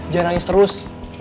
jangan nangis terus